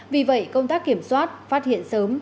vì vậy công tác kiểm soát phát hiện sớm